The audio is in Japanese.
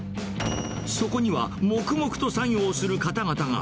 そこには黙々と作業をする方々が。